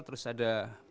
terus ada pemain